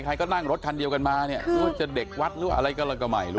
ใครก็นั่งรถคันเดียวกันมาเนี่ยหรือว่าจะเด็กวัดหรืออะไรก็เราก็ไม่รู้